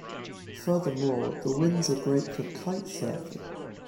Furthermore, the winds are great for Kitesurfing.